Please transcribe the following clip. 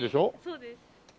そうです。